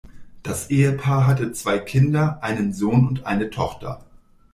Das Ehepaar hatte zwei Kinder, einen Sohn und eine Tochter.